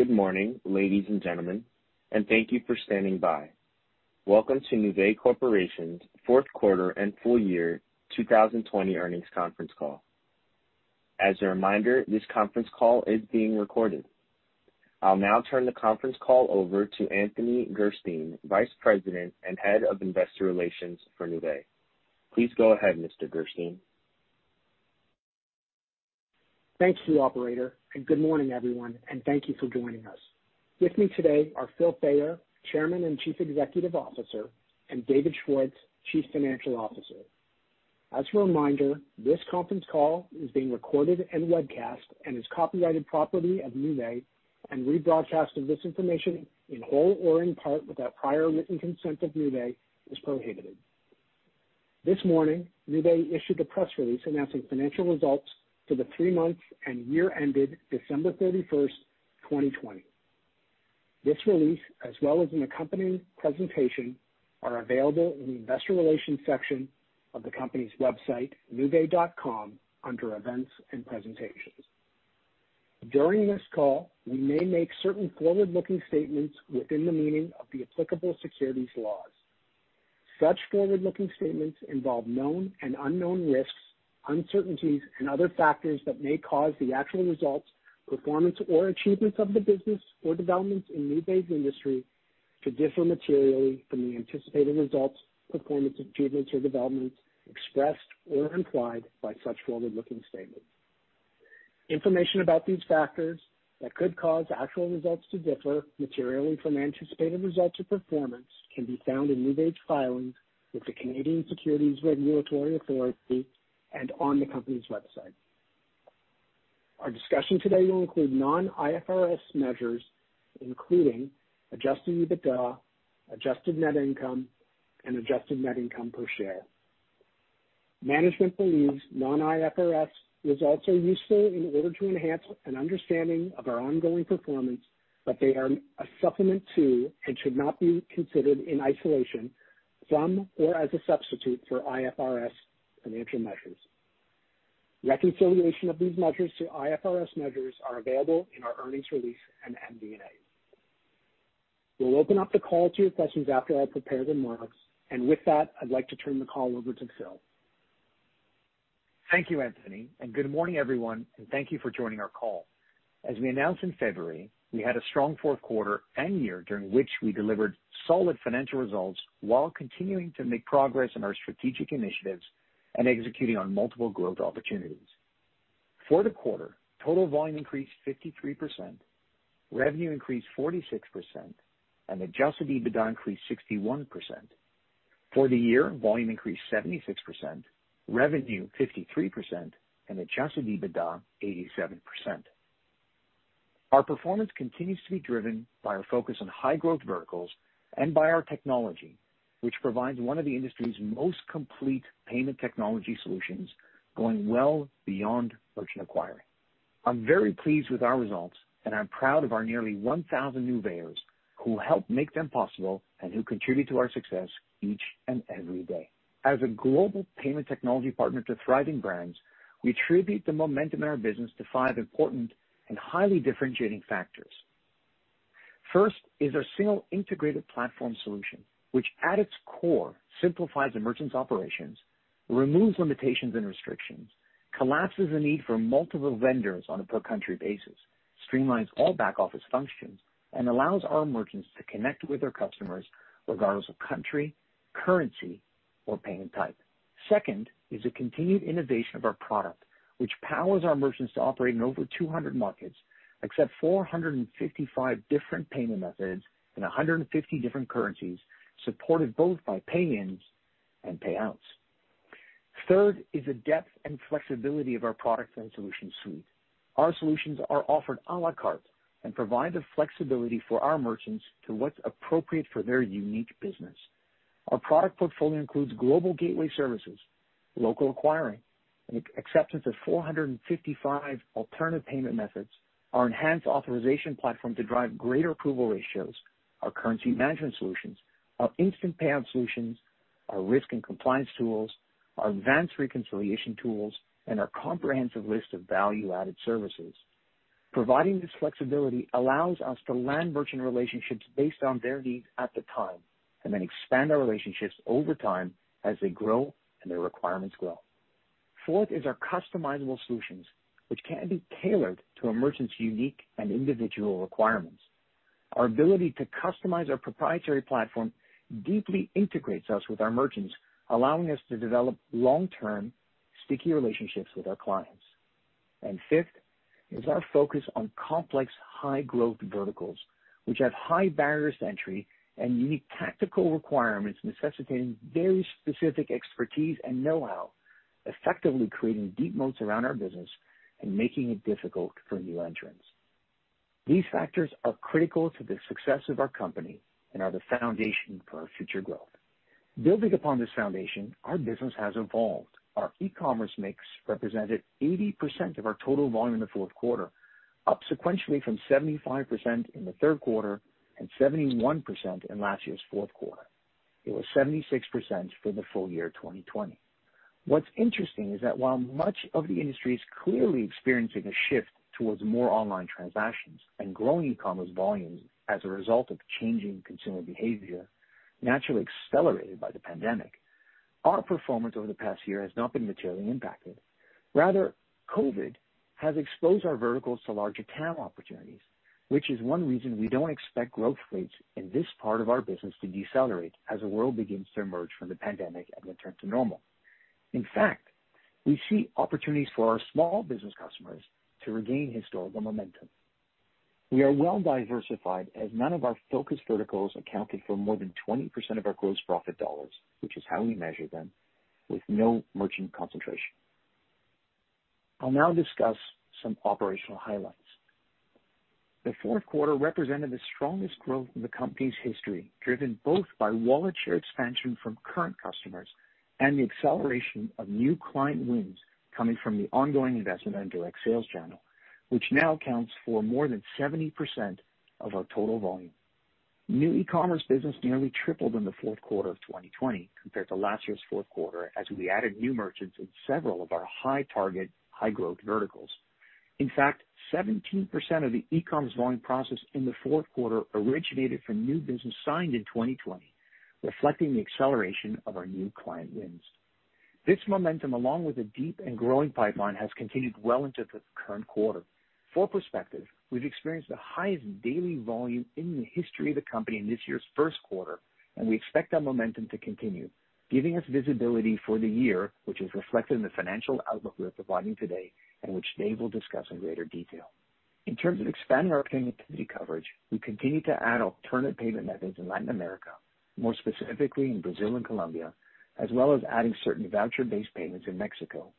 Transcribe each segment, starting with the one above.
Good morning, ladies and gentlemen, and thank you for standing by. Welcome to Nuvei Corporation's fourth quarter and full year 2020 earnings conference call. As a reminder, this conference call is being recorded. I'll now turn the conference call over to Anthony Gerstein, Vice President and Head of Investor Relations for Nuvei. Please go ahead, Mr. Gerstein. Thanks, operator, and good morning, everyone, and thank you for joining us. With me today are Philip Fayer, Chairman and Chief Executive Officer, and David Schwartz, Chief Financial Officer. As a reminder, this conference call is being recorded and webcast and is copyrighted property of Nuvei, and rebroadcast of this information in whole or in part without prior written consent of Nuvei is prohibited. This morning, Nuvei issued a press release announcing financial results for the three months and year ended December 31st, 2020. This release, as well as an accompanying presentation, are available in the investor relations section of the company's website, nuvei.com, under Events and Presentations. During this call, we may make certain forward-looking statements within the meaning of the applicable securities laws. Such forward-looking statements involve known and unknown risks, uncertainties, and other factors that may cause the actual results, performance, or achievements of the business or developments in Nuvei's industry to differ materially from the anticipated results, performance, achievements, or developments expressed or implied by such forward-looking statements. Information about these factors that could cause actual results to differ materially from anticipated results or performance can be found in Nuvei's filings with the Canadian Securities Regulatory Authority and on the company's website. Our discussion today will include non-IFRS measures, including adjusted EBITDA, adjusted net income, and adjusted net income per share. Management believes non-IFRS results are useful in order to enhance an understanding of our ongoing performance, but they are a supplement to and should not be considered in isolation from or as a substitute for IFRS financial measures. Reconciliation of these measures to IFRS measures are available in our earnings release and MD&A. We'll open up the call to your questions after I prepare the remarks. With that, I'd like to turn the call over to Phil. Thank you, Anthony, and good morning, everyone, and thank you for joining our call. As we announced in February, we had a strong fourth quarter and year during which we delivered solid financial results while continuing to make progress in our strategic initiatives and executing on multiple growth opportunities. For the quarter, total volume increased 53%, revenue increased 46%, and adjusted EBITDA increased 61%. For the year, volume increased 76%, revenue 53%, and adjusted EBITDA 87%. Our performance continues to be driven by our focus on high-growth verticals and by our technology, which provides one of the industry's most complete payment technology solutions, going well beyond merchant acquiring. I'm very pleased with our results, and I'm proud of our nearly 1,000 Nuveiers who helped make them possible and who contribute to our success each and every day. As a global payment technology partner to thriving brands, we attribute the momentum in our business to five important and highly differentiating factors. First is our single integrated platform solution, which at its core simplifies merchants' operations, removes limitations and restrictions, collapses the need for multiple vendors on a per-country basis, streamlines all back-office functions, and allows our merchants to connect with their customers regardless of country, currency, or payment type. Second is the continued innovation of our product, which powers our merchants to operate in over 200 markets, accept 455 different payment methods in 150 different currencies, supported both by pay-ins and payouts. Third is the depth and flexibility of our product and solution suite. Our solutions are offered à la carte and provide the flexibility for our merchants to what's appropriate for their unique business. Our product portfolio includes global gateway services, local acquiring, and acceptance of 455 alternative payment methods, our enhanced authorization platform to drive greater approval ratios, our currency management solutions, our instant payout solutions, our risk and compliance tools, our advanced reconciliation tools, and our comprehensive list of value-added services. Providing this flexibility allows us to land merchant relationships based on their needs at the time, and then expand our relationships over time as they grow and their requirements grow. Fourth is our customizable solutions, which can be tailored to a merchant's unique and individual requirements. Our ability to customize our proprietary platform deeply integrates us with our merchants, allowing us to develop long-term, sticky relationships with our clients. Fifth is our focus on complex, high-growth verticals, which have high barriers to entry and unique tactical requirements necessitating very specific expertise and know-how, effectively creating deep moats around our business and making it difficult for new entrants. These factors are critical to the success of our company and are the foundation for our future growth. Building upon this foundation, our business has evolved. Our e-commerce mix represented 80% of our total volume in the fourth quarter, up sequentially from 75% in the third quarter and 71% in last year's fourth quarter. It was 76% for the full year 2020. What's interesting is that while much of the industry is clearly experiencing a shift towards more online transactions and growing e-commerce volumes as a result of changing consumer behavior, naturally accelerated by the pandemic, our performance over the past year has not been materially impacted. Rather, COVID has exposed our verticals to larger TAM opportunities, which is one reason we don't expect growth rates in this part of our business to decelerate as the world begins to emerge from the pandemic and return to normal. In fact, we see opportunities for our small business customers to regain historical momentum. We are well diversified, as none of our focused verticals accounted for more than 20% of our gross profit dollars, which is how we measure them, with no merchant concentration. I'll now discuss some operational highlights. The fourth quarter represented the strongest growth in the company's history, driven both by wallet share expansion from current customers and the acceleration of new client wins coming from the ongoing investment in our direct sales channel, which now accounts for more than 70% of our total volume. New e-commerce business nearly tripled in the fourth quarter of 2020 compared to last year's fourth quarter, as we added new merchants in several of our high-target, high-growth verticals. In fact, 17% of the e-commerce volume processed in the fourth quarter originated from new business signed in 2020, reflecting the acceleration of our new client wins. This momentum, along with a deep and growing pipeline, has continued well into the current quarter. For perspective, we've experienced the highest daily volume in the history of the company in this year's first quarter, and we expect that momentum to continue, giving us visibility for the year, which is reflected in the financial outlook we are providing today and which Dave will discuss in greater detail. In terms of expanding our connectivity coverage, we continued to add alternate payment methods in Latin America, more specifically in Brazil and Colombia, as well as adding certain voucher-based payments in Mexico.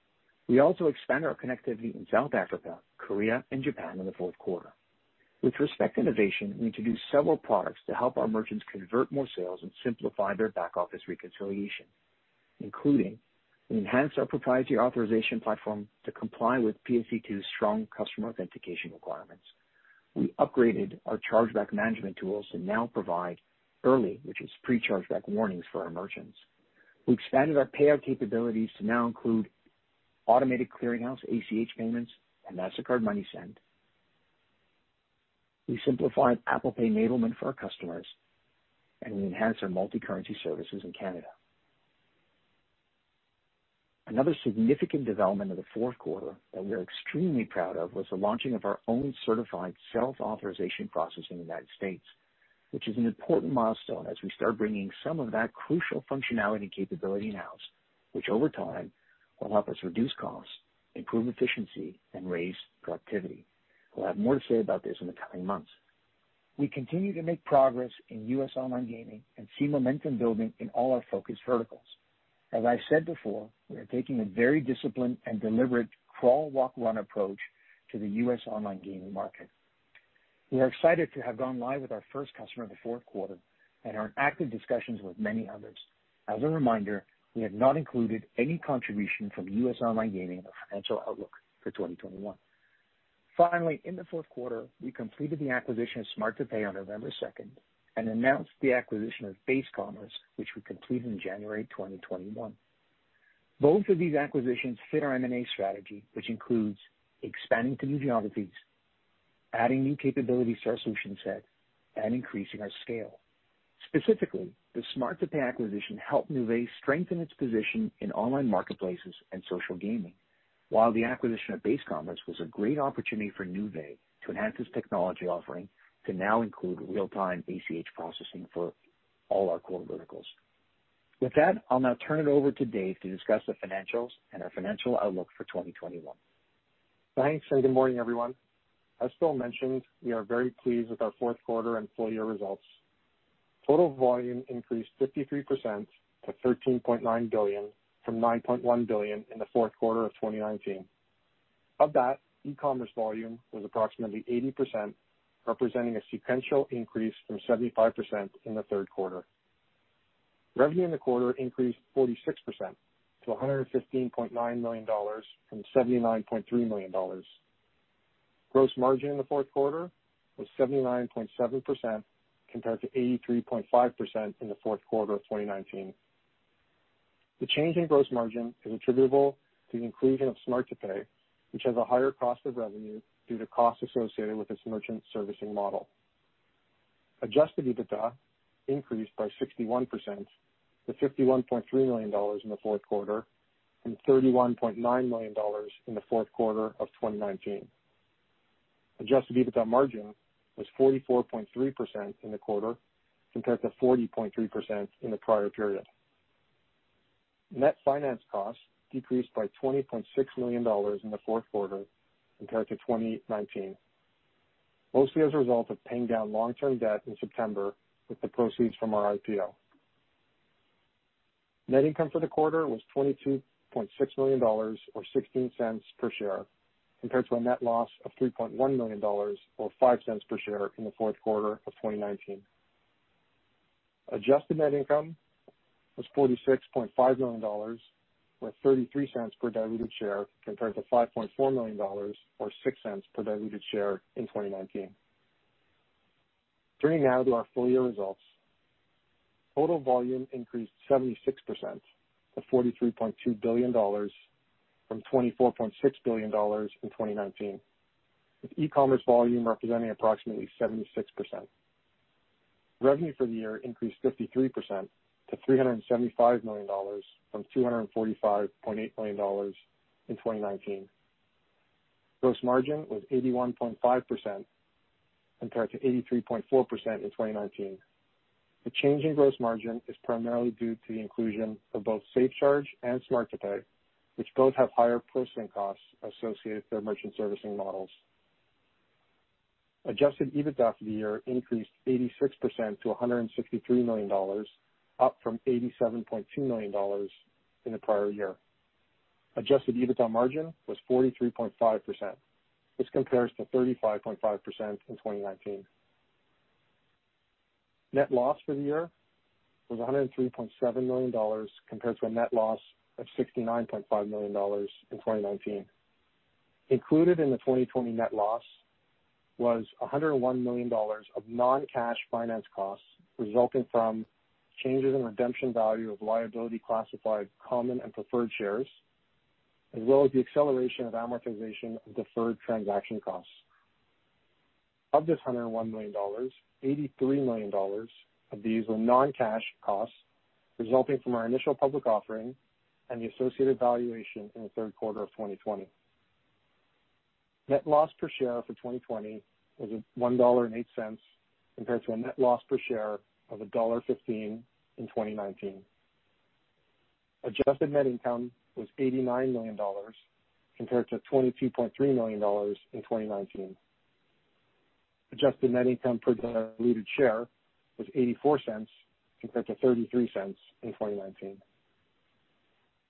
We also expanded our connectivity in South Africa, Korea, and Japan in the fourth quarter. With respect to innovation, we introduced several products to help our merchants convert more sales and simplify their back-office reconciliation, including, we enhanced our proprietary authorization platform to comply with PSD2's strong customer authentication requirements. We upgraded our chargeback management tools to now provide early, which is pre-chargeback warnings for our merchants. We expanded our payout capabilities to now include automated clearing house, ACH payments, and Mastercard MoneySend. We simplified Apple Pay enablement for our customers, and we enhanced our multicurrency services in Canada. Another significant development of the fourth quarter that we are extremely proud of was the launching of our own certified self-authorization process in the United States, which is an important milestone as we start bringing some of that crucial functionality capability in-house, which over time will help us reduce costs, improve efficiency, and raise productivity. We'll have more to say about this in the coming months. We continue to make progress in U.S. online gaming and see momentum building in all our focused verticals. As I've said before, we are taking a very disciplined and deliberate crawl, walk, run approach to the U.S. online gaming market. We are excited to have gone live with our first customer in the fourth quarter and are in active discussions with many others. As a reminder, we have not included any contribution from U.S. online gaming in our financial outlook for 2021. Finally, in the fourth quarter, we completed the acquisition of Smart2Pay on November 2nd, and announced the acquisition of Base Commerce, which we completed in January 2021. Both of these acquisitions fit our M&A strategy, which includes expanding to new geographies, adding new capabilities to our solution set, and increasing our scale. Specifically, the Smart2Pay acquisition helped Nuvei strengthen its position in online marketplaces and social gaming, while the acquisition of Base Commerce was a great opportunity for Nuvei to enhance its technology offering to now include real-time ACH processing for all our core verticals. With that, I'll now turn it over to Dave to discuss the financials and our financial outlook for 2021. Thanks, and good morning, everyone. As Phil mentioned, we are very pleased with our fourth quarter and full year results. Total volume increased 53% to $13.9 billion, from $9.1 billion in the fourth quarter of 2019. Of that, e-commerce volume was approximately 80%, representing a sequential increase from 75% in the third quarter. Revenue in the quarter increased 46% to $115.9 million from $79.3 million. Gross margin in the fourth quarter was 79.7%, compared to 83.5% in the fourth quarter of 2019. The change in gross margin is attributable to the inclusion of Smart2Pay, which has a higher cost of revenue due to costs associated with its merchant servicing model. Adjusted EBITDA increased by 61% to $51.3 million in the fourth quarter, from $31.9 million in the fourth quarter of 2019. Adjusted EBITDA margin was 44.3% in the quarter, compared to 40.3% in the prior period. Net finance costs decreased by $20.6 million in the fourth quarter compared to 2019, mostly as a result of paying down long-term debt in September with the proceeds from our IPO. Net income for the quarter was $22.6 million, or $0.16 per share, compared to a net loss of $3.1 million, or $0.05 per share, in the fourth quarter of 2019. Adjusted net income was $46.5 million, or $0.33 per diluted share, compared to $5.4 million, or $0.06 per diluted share, in 2019. Turning now to our full year results. Total volume increased 76% to $43.2 billion from $24.6 billion in 2019, with e-commerce volume representing approximately 76%. Revenue for the year increased 53% to $375 million from $245.8 million in 2019. Gross margin was 81.5% compared to 83.4% in 2019. The change in gross margin is primarily due to the inclusion of both SafeCharge and Smart2Pay, which both have higher processing costs associated with their merchant servicing models. Adjusted EBITDA for the year increased 86% to $163 million, up from $87.2 million in the prior year. Adjusted EBITDA margin was 43.5%, which compares to 35.5% in 2019. Net loss for the year was $103.7 million, compared to a net loss of $69.5 million in 2019. Included in the 2020 net loss was $101 million of non-cash finance costs resulting from changes in redemption value of liability classified common and preferred shares, as well as the acceleration of amortization of deferred transaction costs. Of this $101 million, $83 million of these were non-cash costs resulting from our initial public offering and the associated valuation in the third quarter of 2020. Net loss per share for 2020 was $1.08, compared to a net loss per share of $1.15 in 2019. Adjusted net income was $89 million, compared to $22.3 million in 2019. Adjusted net income per diluted share was $0.84, compared to $0.33 in 2019.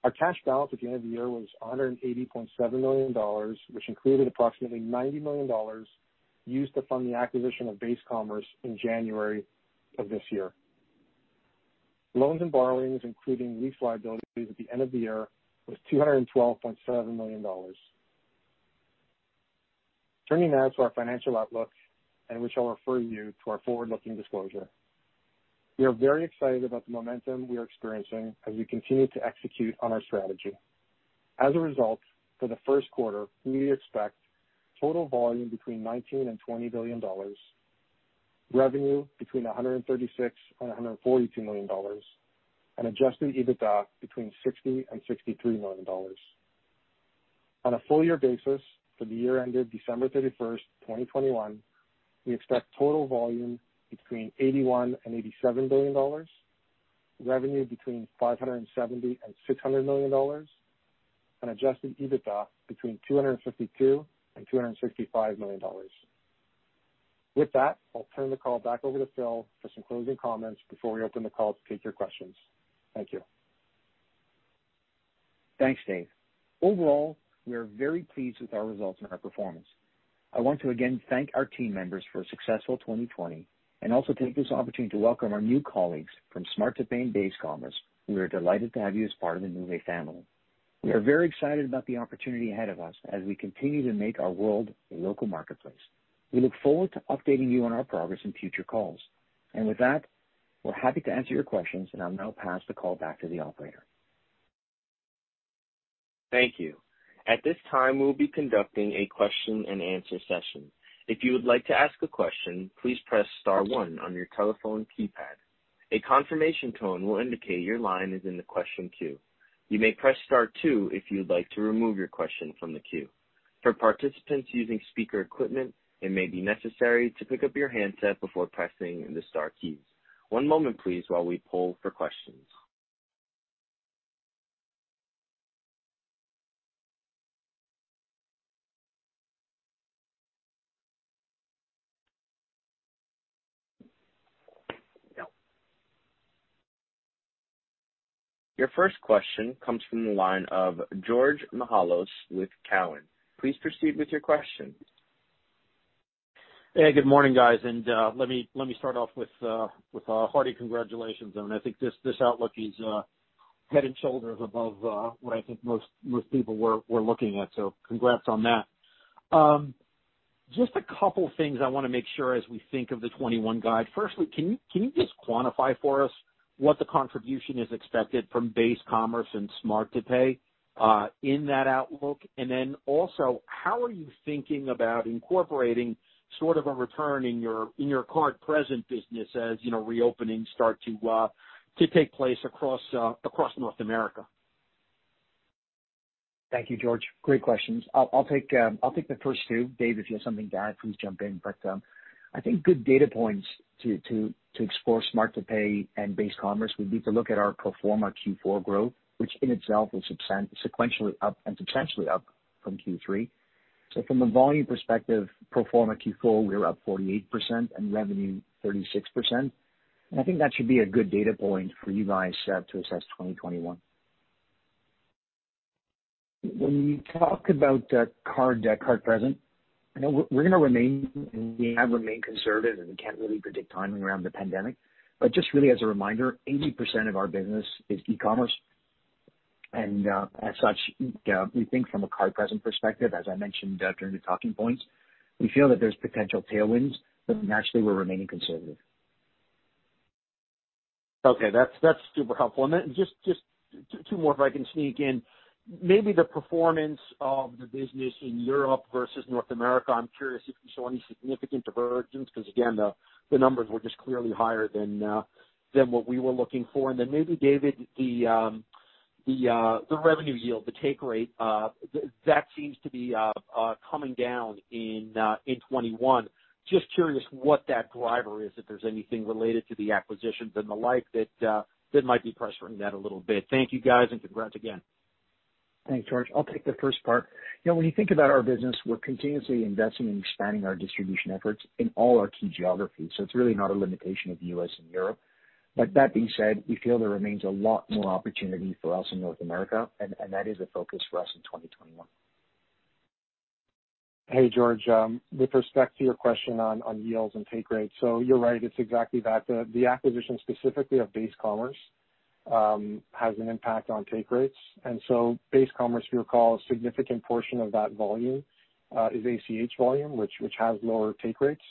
Our cash balance at the end of the year was $180.7 million, which included approximately $90 million used to fund the acquisition of Base Commerce in January of this year. Loans and borrowings, including lease liabilities at the end of the year, was $212.7 million. Turning now to our financial outlook, and which I'll refer you to our forward-looking disclosure. We are very excited about the momentum we are experiencing as we continue to execute on our strategy. As a result, for the first quarter, we expect total volume between $19 billion and $20 billion, revenue between $136 million and $142 million, and adjusted EBITDA between $60 million and $63 million. On a full year basis, for the year ended December 31st, 2021, we expect total volume between $81 billion and $87 billion, revenue between $570 million and $600 million, and adjusted EBITDA between $252 million and $255 million. With that, I'll turn the call back over to Phil for some closing comments before we open the call to take your questions. Thank you. Thanks, Dave. Overall, we are very pleased with our results and our performance. I want to again thank our team members for a successful 2020, and also take this opportunity to welcome our new colleagues from Smart2Pay and Base Commerce. We are delighted to have you as part of the Nuvei family. We are very excited about the opportunity ahead of us as we continue to make our world a local marketplace. We look forward to updating you on our progress in future calls. And with that, we're happy to answer your questions, and I'll now pass the call back to the operator. Thank you. At this time, we'll be conducting a question-and-answer session. If you would like to ask a question, please press star one on your telephone keypad. A confirmation tone will indicate your line is in the question queue. You may press star two if you'd like to remove your question from the queue. For participants using speaker equipment, it may be necessary to pick up your handset before pressing the star keys. One moment, please, while we poll for questions. Your first question comes from the line of George Mihalos with Cowen. Please proceed with your question. Hey, good morning, guys, and let me start off with a hearty congratulations. This outlook is head and shoulders above what I think most people were looking at. So congrats on that. Just a couple things I want to make sure as we think of the 2021 guide. Firstly, can you just quantify for us what the contribution is expected from Base Commerce and Smart2Pay in that outlook? And then also, how are you thinking about incorporating sort of a return in your card-present business, as you know, reopenings start to take place across North America? Thank you, George. Great questions. I'll take the first two. Dave, if you have something to add, please jump in. But I think good data points to explore Smart2Pay and Base Commerce would be to look at our pro forma Q4 growth, which in itself is substantially sequentially up and substantially up from Q3. So from a volume perspective, pro forma Q4, we were up 48% and revenue, 36%. And I think that should be a good data point for you guys to assess 2021. When you talk about card-present, you know, we're going to remain and we have remained conservative, and we can't really predict timing around the pandemic. But just really as a reminder, 80% of our business is e-commerce. As such, we think from a card-present perspective, as I mentioned, during the talking points, we feel that there's potential tailwinds, but naturally we're remaining conservative. Okay, that's super helpful. And then just two more, if I can sneak in. Maybe the performance of the business in Europe versus North America. I'm curious if you saw any significant divergence, because again, the numbers were just clearly higher than what we were looking for. And then maybe David, the revenue yield, the take rate, that seems to be coming down in 2021. Just curious what that driver is, if there's anything related to the acquisitions and the like, that might be pressuring that a little bit. Thank you, guys, and congrats again. Thanks, George. I'll take the first part. You know, when you think about our business, we're continuously investing in expanding our distribution efforts in all our key geographies. So it's really not a limitation of the U.S. and Europe. But that being said, we feel there remains a lot more opportunity for us in North America, and, and that is a focus for us in 2021. Hey, George, with respect to your question on yields and take rates, so you're right, it's exactly that. The acquisition, specifically of Base Commerce, has an impact on take rates. And so Base Commerce, you recall, a significant portion of that volume is ACH volume, which has lower take rates.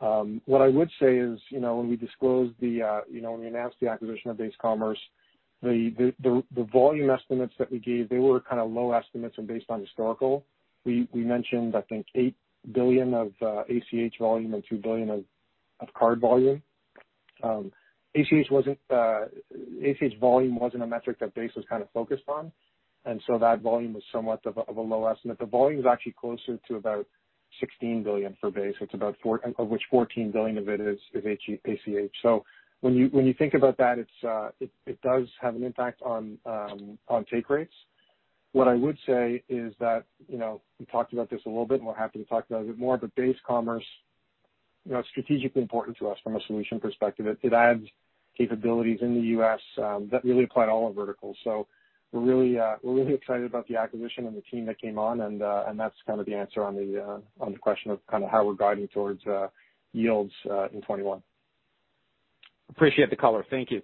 What I would say is, you know, when we disclosed the, you know, when we announced the acquisition of Base Commerce, the volume estimates that we gave, they were kind of low estimates and based on historical. We mentioned, I think, $8 billion of ACH volume and $2 billion of card volume. ACH volume wasn't a metric that Base was kind of focused on. And so that volume was somewhat of a low estimate. The volume is actually closer to about $16 billion for Base. It's about four- of which $14 billion of it is, is ACH. When you think about that, it does have an impact on take rates. What I would say is that, you know, we talked about this a little bit, and we're happy to talk about it more, but Base Commerce, you know, is strategically important to us from a solution perspective. It adds capabilities in the U.S. that really apply to all our verticals. We're really, we're really excited about the acquisition and the team that came on, and that's kind of the answer on the question of kind of how we're guiding towards yields in 2021. Appreciate the color. Thank you.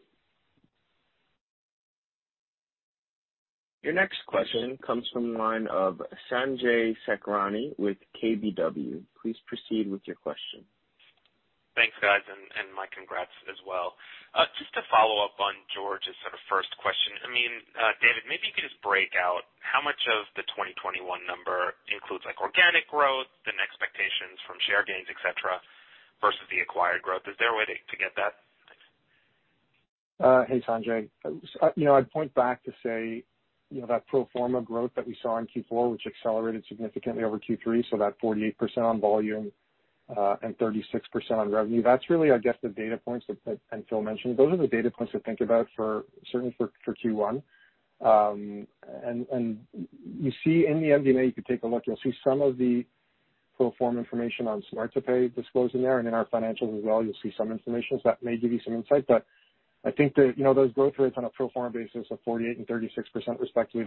Your next question comes from the line of Sanjay Sakhrani with KBW. Please proceed with your question. Thanks, guys, and my congrats as well. Just to follow up on George's sort of first question, I mean, David, maybe you could just break out how much of the 2021 number includes, like, organic growth and expectations from share gains, et cetera, versus the acquired growth. Is there a way to get that? Thanks. Hey, Sanjay. You know, I'd point back to say, you know, that pro forma growth that we saw in Q4, which accelerated significantly over Q3, so that 48% on volume, and 36% on revenue, that's really, I guess, the data points that, and Phil mentioned. Those are the data points to think about for, certainly for, for Q1. And, and you see in the MD&A, you can take a look, you'll see some of the pro forma information on Smart2Pay disclosed in there and in our financials as well, you'll see some information, so that may give you some insight. But I think that, you know, those growth rates on a pro forma basis of 48% and 36% respectively,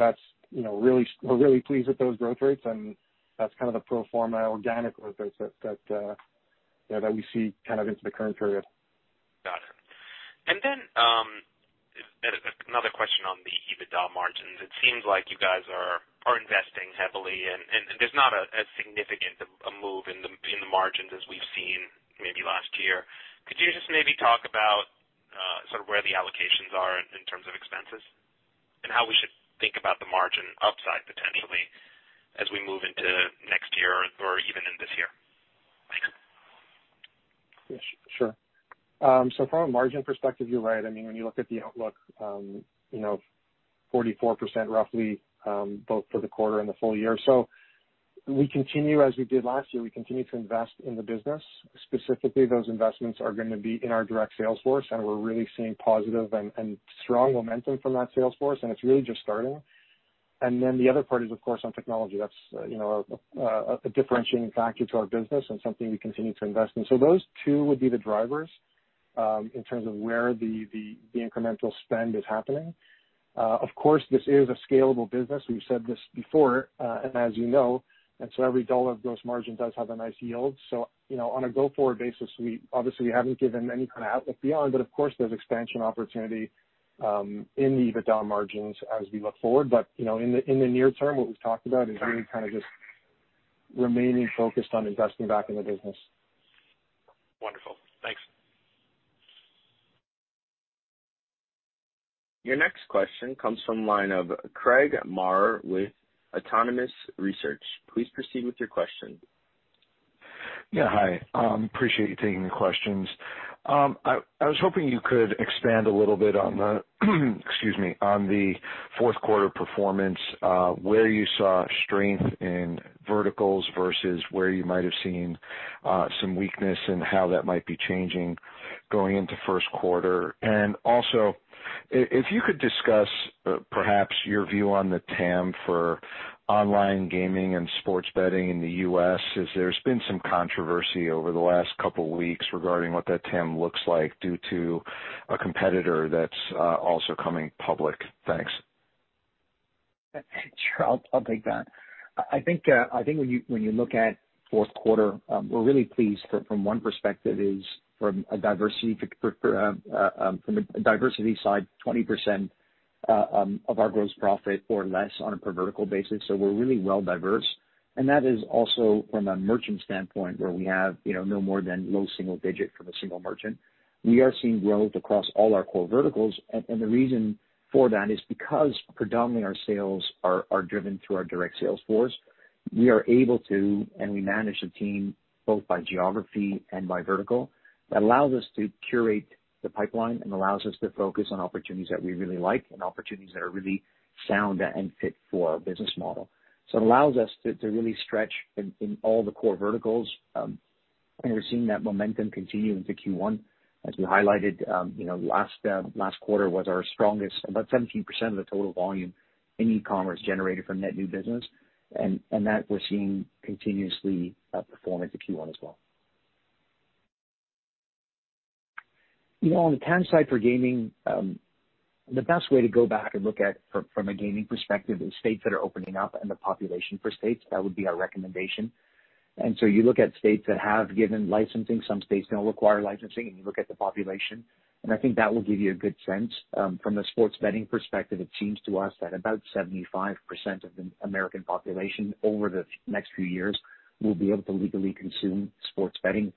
we're really pleased with those growth rates, and that's kind of the pro forma organic growth rates that we see kind of into the current period. Got it. And then another question on the EBITDA margins. It seems like you guys are investing heavily, and there's not a significant move in the margins as we've seen maybe last year. Could you just maybe talk about sort of where the allocations are in terms of expenses? And how we should think about the margin upside potentially as we move into next year or even in this year? Thanks. Yeah, sure. So from a margin perspective, you're right. I mean, when you look at the outlook, you know, 44% roughly, both for the quarter and the full year. So we continue, as we did last year, we continue to invest in the business. Specifically, those investments are going to be in our direct sales force, and we're really seeing positive and strong momentum from that sales force, and it's really just starting. And then the other part is, of course, on technology. That's, you know, a differentiating factor to our business and something we continue to invest in. So those two would be the drivers, in terms of where the incremental spend is happening. Of course, this is a scalable business. We've said this before, and as you know, and so every dollar of gross margin does have a nice yield. So, you know, on a go-forward basis, we obviously haven't given any kind of outlook beyond, but of course, there's expansion opportunity in the EBITDA margins as we look forward. But, you know, in the near term, what we've talked about is really kind of just remaining focused on investing back in the business. Wonderful. Thanks. Your next question comes from the line of Craig Maurer with Autonomous Research. Please proceed with your question. Yeah, hi. Appreciate you taking the questions. I was hoping you could expand a little bit on the, excuse me, on the fourth quarter performance, where you saw strength in verticals versus where you might have seen some weakness and how that might be changing going into first quarter. And also, if you could discuss, perhaps your view on the TAM for online gaming and sports betting in the U.S., as there's been some controversy over the last couple weeks regarding what that TAM looks like due to a competitor that's also coming public. Thanks. Sure, I'll take that. I think when you look at fourth quarter, we're really pleased from one perspective, from a diversity side, 20% of our gross profit or less on a per vertical basis, so we're really well diverse. And that is also from a merchant standpoint, where we have, you know, no more than low single digit from a single merchant. We are seeing growth across all our core verticals, and the reason for that is because predominantly our sales are driven through our direct sales force. We are able to, and we manage the team both by geography and by vertical. That allows us to curate the pipeline and allows us to focus on opportunities that we really like and opportunities that are really sound and fit for our business model. So it allows us to really stretch in all the core verticals, and we're seeing that momentum continue into Q1. As you highlighted, you know, last quarter was our strongest. About 17% of the total volume in e-commerce generated from net new business, and that we're seeing continuously perform into Q1 as well. You know, on the TAM side for gaming, the best way to go back and look at from a gaming perspective is states that are opening up and the population for states. That would be our recommendation. You look at states that have given licensing, some states don't require licensing, and you look at the population, and I think that will give you a good sense. From a sports betting perspective, it seems to us that about 75% of the American population over the next few years will be able to legally consume sports betting.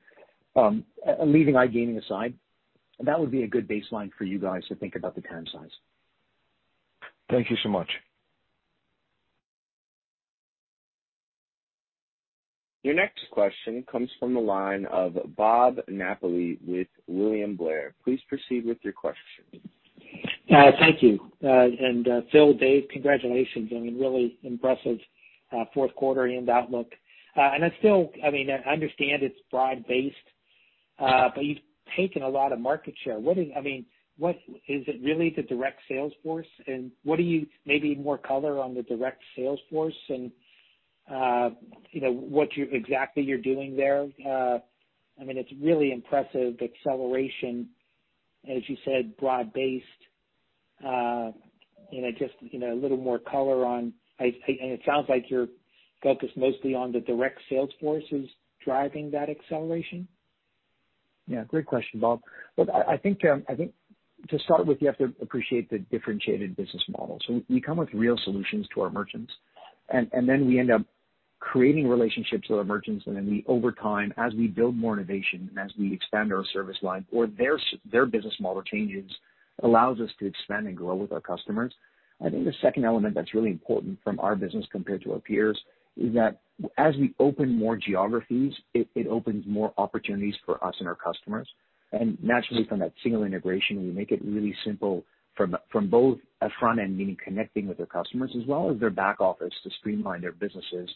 Leaving iGaming aside, that would be a good baseline for you guys to think about the TAM size. Thank you so much. Your next question comes from the line of Bob Napoli with William Blair. Please proceed with your question. Thank you. And, Phil, Dave, congratulations. I mean, really impressive, fourth quarter and outlook. I understand it's broad-based, but you've taken a lot of market share. What is-- I mean, what-- Is it really the direct sales force? And what do you... Maybe more color on the direct sales force and, you know, what you exactly you're doing there. I mean, it's really impressive acceleration, as you said, broad-based. You know, just, you know, a little more color on I, I-- And it sounds like you're focused mostly on the direct sales force is driving that acceleration. Yeah, great question, Bob. Look, I think to start with, you have to appreciate the differentiated business model. So we come with real solutions to our merchants, and then we end up creating relationships with our merchants, and then we over time, as we build more innovation and as we expand our service line or their business model changes, allows us to expand and grow with our customers. I think the second element that's really important from our business compared to our peers is that as we open more geographies, it opens more opportunities for us and our customers. Naturally, from that single integration, we make it really simple from, from both a front end, meaning connecting with their customers, as well as their back office to streamline their businesses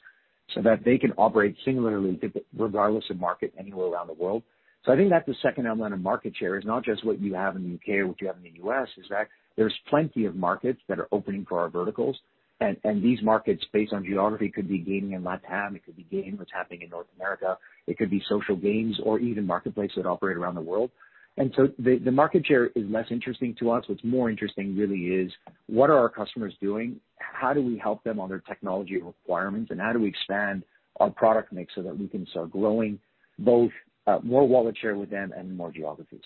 so that they can operate similarly, regardless of market, anywhere around the world. I think that's the second element of market share, is not just what you have in the U.K. or what you have in the U.S., is that there's plenty of markets that are opening for our verticals. And, and these markets, based on geography, could be gaming in LATAM, it could be gaming what's happening in North America, it could be social games or even marketplaces that operate around the world. The, the market share is less interesting to us. What's more interesting really is: What are our customers doing? How do we help them on their technology requirements, and how do we expand our product mix so that we can start growing both, more wallet share with them and more geographies?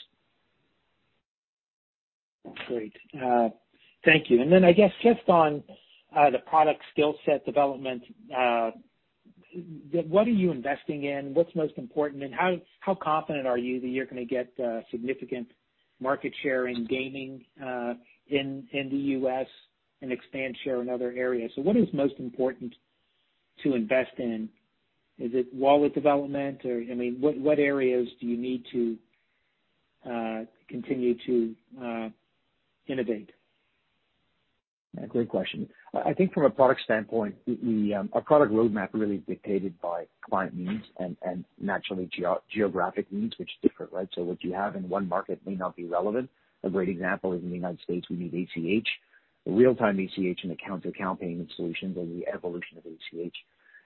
Great. Thank you. And then I guess just on the product skill set development, what are you investing in? What's most important, and how confident are you that you're gonna get significant market share in gaming, in the U.S. and expand share in other areas? So what is most important to invest in? Is it wallet development or... I mean, what areas do you need to continue to innovate? Great question. I think from a product standpoint, our product roadmap really is dictated by client needs and naturally geographic needs, which is different, right? So what you have in one market may not be relevant. A great example is in the United States, we need ACH, the real-time ACH and account-to-account payment solutions are the evolution of ACH.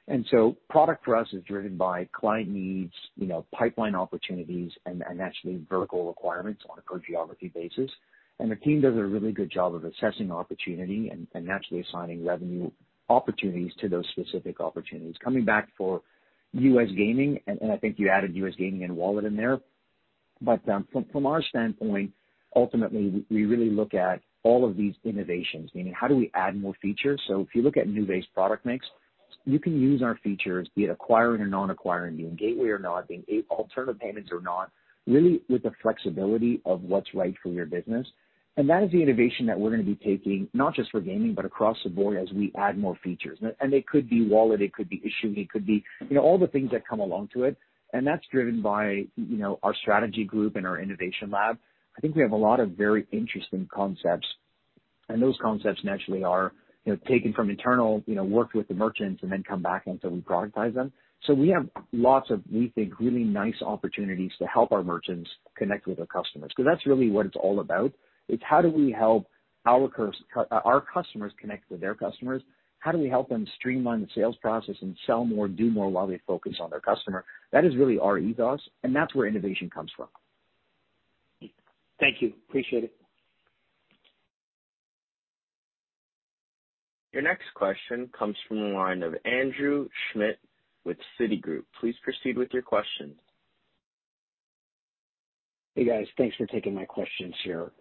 And so product for us is driven by client needs, you know, pipeline opportunities and naturally vertical requirements on a per geography basis. And the team does a really good job of assessing opportunity and naturally assigning revenue opportunities to those specific opportunities. Coming back for U.S. gaming, and I think you added U.S. gaming and wallet in there, but from our standpoint, ultimately, we really look at all of these innovations, meaning how do we add more features? So if you look at Nuvei product mix, you can use our features, be it acquiring or non-acquiring, being gateway or not, being alternative payments or not, really with the flexibility of what's right for your business. And that is the innovation that we're gonna be taking, not just for gaming, but across the board as we add more features. And it could be wallet, it could be issuing, it could be, you know, all the things that come along to it. And that's driven by, you know, our strategy group and our innovation lab. I think we have a lot of very interesting concepts, and those concepts naturally are, you know, taken from internal, you know, worked with the merchants and then come back until we productize them. So we have lots of, we think, really nice opportunities to help our merchants connect with their customers, because that's really what it's all about. It's how do we help our customers connect with their customers? How do we help them streamline the sales process and sell more, do more while they focus on their customer? That is really our ethos, and that's where innovation comes from. Thank you. Appreciate it. Your next question comes from the line of Andrew Schmidt with Citigroup. Please proceed with your question. Hey, guys, thanks for taking my questions here.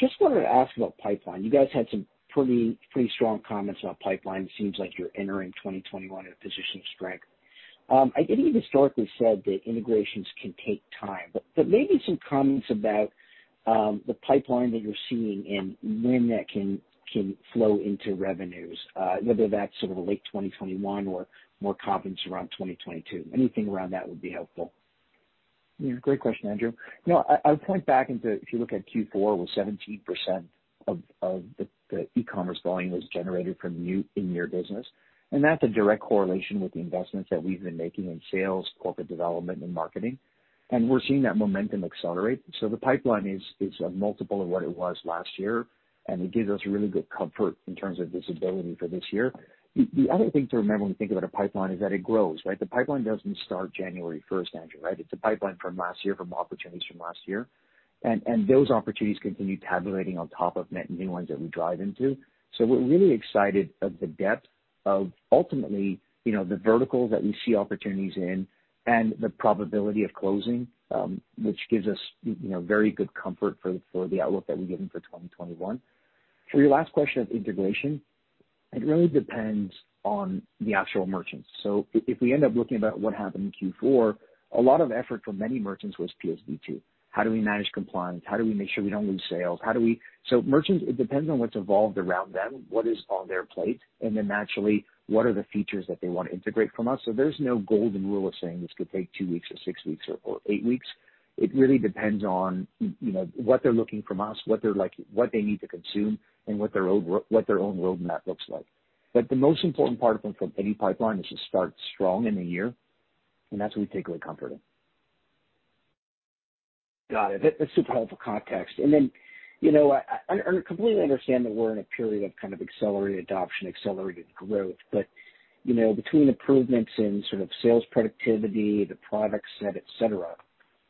Just wanted to ask about pipeline. You guys had some pretty, pretty strong comments about pipeline. It seems like you're entering 2021 in a position of strength. I think you historically said that integrations can take time, but maybe some comments about the pipeline that you're seeing and when that can flow into revenues, whether that's sort of late 2021 or more confidence around 2022. Anything around that would be helpful. Yeah, great question, Andrew. You know, I, I would point back into if you look at Q4, where 17% of the e-commerce volume was generated from new in-year business, and that's a direct correlation with the investments that we've been making in sales, corporate development and marketing. And we're seeing that momentum accelerate. So the pipeline is a multiple of what it was last year, and it gives us really good comfort in terms of visibility for this year. The other thing to remember when you think about a pipeline is that it grows, right? The pipeline doesn't start January first, Andrew, right? It's a pipeline from last year, from opportunities from last year. And those opportunities continue tabulating on top of net new ones that we drive into. So we're really excited at the depth of ultimately, you know, the verticals that we see opportunities in and the probability of closing, which gives us, you know, very good comfort for the outlook that we're giving for 2021. For your last question of integration, it really depends on the actual merchants. So if we end up looking about what happened in Q4, a lot of effort for many merchants was PSD2. How do we manage compliance? How do we make sure we don't lose sales? It depends on what's evolved around them, what is on their plate, and then naturally, what are the features that they want to integrate from us. So there's no golden rule of saying this could take two weeks or six weeks or eight weeks. It really depends on, you know, what they're looking from us, what they're like, what they need to consume and what their own roadmap looks like. But the most important part from any pipeline is to start strong in the year, and that's what we take away comfort in. Got it. That's super helpful context. Then, you know, I completely understand that we're in a period of kind of accelerated adoption, accelerated growth, but, you know, between improvements in sort of sales productivity, the product set, et cetera,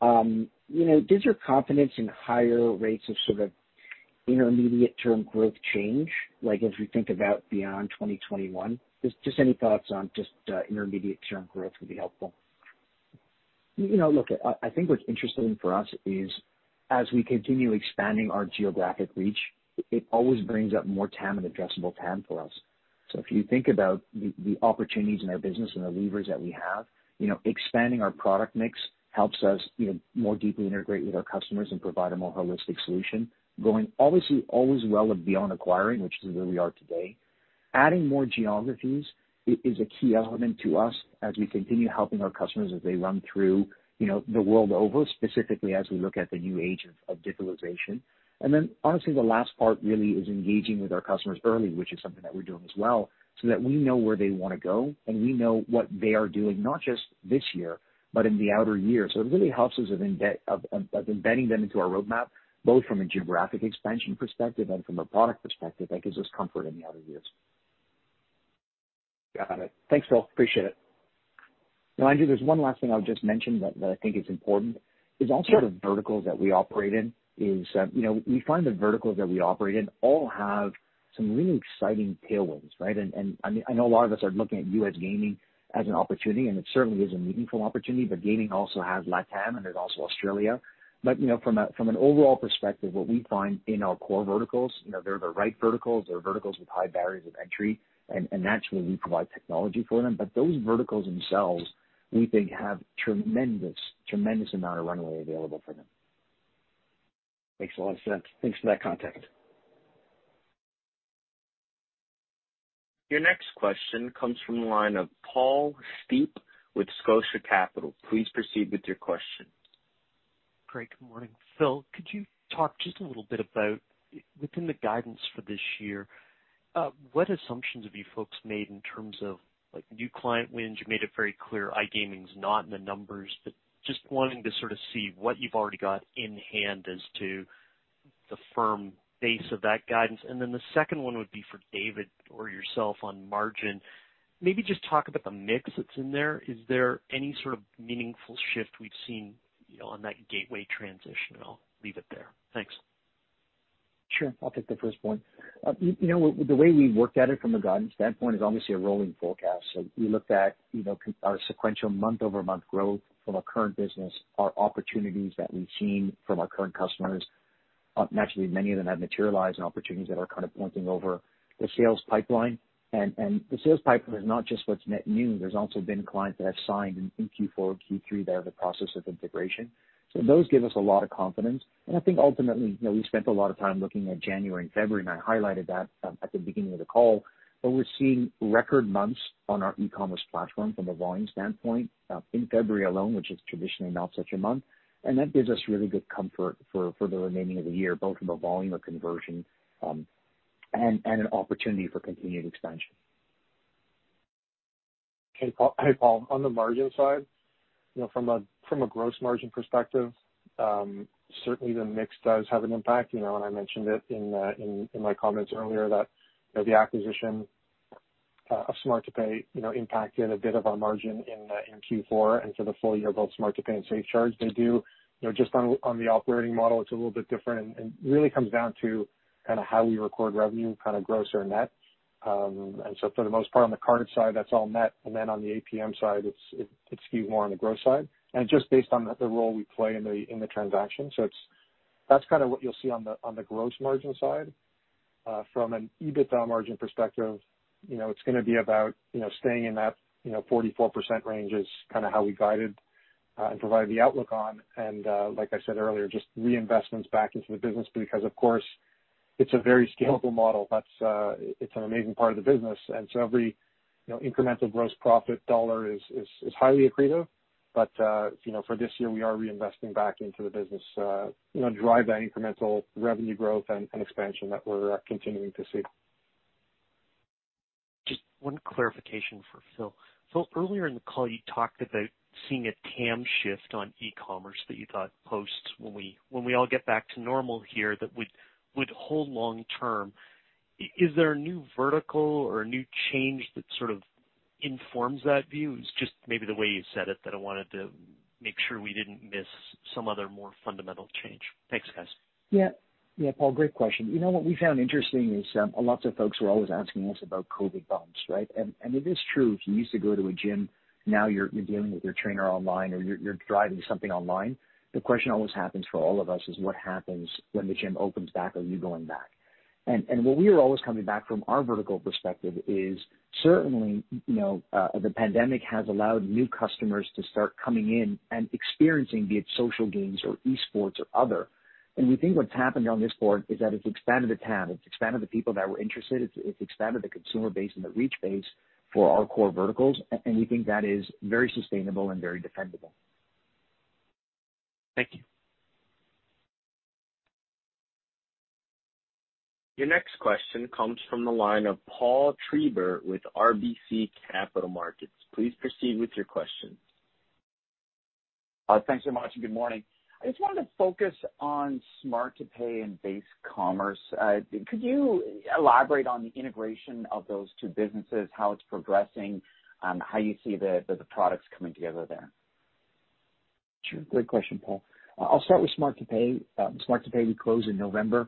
you know, does your confidence in higher rates of sort of intermediate term growth change, like as we think about beyond 2021? Just any thoughts on just intermediate term growth would be helpful. You know, look, I think what's interesting for us is as we continue expanding our geographic reach, it always brings up more TAM and addressable TAM for us. So if you think about the opportunities in our business and the levers that we have, you know, expanding our product mix helps us, you know, more deeply integrate with our customers and provide a more holistic solution. Going obviously, always well beyond acquiring, which is where we are today. Adding more geographies is a key element to us as we continue helping our customers as they run through, you know, the world over, specifically as we look at the new age of digitalization. And then honestly, the last part really is engaging with our customers early, which is something that we're doing as well, so that we know where they wanna go, and we know what they are doing, not just this year, but in the outer years. So it really helps us of embedding them into our roadmap, both from a geographic expansion perspective and from a product perspective, that gives us comfort in the outer years. Got it. Thanks, Phil. Appreciate it. Now, Andrew, there's one last thing I'll just mention that, that I think is important, is all sort of verticals that we operate in is, you know, we find the verticals that we operate in all have some really exciting tailwinds, right? And, and I, I know a lot of us are looking at U.S. gaming as an opportunity, and it certainly is a meaningful opportunity, but gaming also has LATAM, and there's also Australia. But, you know, from a, from an overall perspective, what we find in our core verticals, you know, they're the right verticals. They're verticals with high barriers of entry, and, and naturally, we provide technology for them. But those verticals themselves, we think, have tremendous, tremendous amount of runway available for them. Makes a lot of sense. Thanks for that context. Your next question comes from the line of Paul Steep with Scotia Capital. Please proceed with your question. Great, good morning. Phil, could you talk just a little bit about, within the guidance for this year, what assumptions have you folks made in terms of, like, new client wins? You made it very clear, iGaming's not in the numbers, but just wanting to sort of see what you've already got in hand as to the firm base of that guidance. And then the second one would be for David or yourself on margin. Maybe just talk about the mix that's in there. Is there any sort of meaningful shift we've seen, you know, on that gateway transition? I'll leave it there. Thanks. Sure. I'll take the first one. You know, the way we looked at it from a guidance standpoint is obviously a rolling forecast. So we looked at, you know, our sequential month-over-month growth from our current business, our opportunities that we've seen from our current customers. Naturally, many of them have materialized and opportunities that are kind of pointing over the sales pipeline. And the sales pipeline is not just what's net new. There's also been clients that have signed in Q4, Q3, that are in the process of integration. So those give us a lot of confidence. And I think ultimately, you know, we spent a lot of time looking at January and February, and I highlighted that at the beginning of the call. But we're seeing record months on our e-commerce platform from a volume standpoint, in February alone, which is traditionally not such a month. And that gives us really good comfort for, for the remaining of the year, both from a volume, a conversion, and, and an opportunity for continued expansion. Okay, Paul. Hey, Paul, on the margin side, you know, from a gross margin perspective, certainly the mix does have an impact, you know, and I mentioned it in my comments earlier, that, you know, the acquisition of Smart2Pay, you know, impacted a bit of our margin in Q4, and so the full year, both Smart2Pay and SafeCharge, they do. You know, just on the operating model, it's a little bit different, and really comes down to kind of how we record revenue, kind of gross or net. And so for the most part, on the card side, that's all net, and then on the APM side, it skews more on the gross side, and just based on the role we play in the transaction. So that's kind of what you'll see on the gross margin side. From an EBITDA margin perspective, you know, it's gonna be about, you know, staying in that, you know, 44% range is kind of how we guided and provided the outlook on. And like I said earlier, just reinvestments back into the business because, of course, it's a very scalable model. That's an amazing part of the business. And so every, you know, incremental gross profit dollar is highly accretive. But you know, for this year, we are reinvesting back into the business, you know, drive that incremental revenue growth and expansion that we're continuing to see. Just one clarification for Phil. Phil, earlier in the call, you talked about seeing a TAM shift on e-commerce that you thought post when we, when we all get back to normal here, that would, would hold long term. Is there a new vertical or a new change that sort of informs that view? It's just maybe the way you said it, that I wanted to make sure we didn't miss some other more fundamental change. Thanks, guys. Yeah. Yeah, Paul, great question. You know, what we found interesting is, a lots of folks were always asking us about COVID bumps, right? And it is true, if you used to go to a gym, now you're dealing with your trainer online or you're driving something online. The question always happens for all of us is what happens when the gym opens back, are you going back? And what we are always coming back from our vertical perspective is certainly, you know, the pandemic has allowed new customers to start coming in and experiencing be it social games or esports or other. We think what's happened on this front is that it's expanded the TAM, it's expanded the people that were interested, it's expanded the consumer base and the reach base for our core verticals, and we think that is very sustainable and very defendable. Thank you. Your next question comes from the line of Paul Treiber with RBC Capital Markets. Please proceed with your question. Thanks so much, and good morning. I just wanted to focus on Smart2Pay and Base Commerce. Could you elaborate on the integration of those two businesses, how it's progressing, how you see the products coming together there? Sure. Great question, Paul. I'll start with Smart2Pay. Smart2Pay we closed in November.